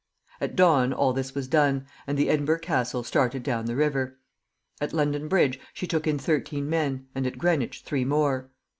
At dawn all this was done, and the "Edinburgh Castle" started down the river. At London Bridge she took in thirteen men, and at Greenwich three more.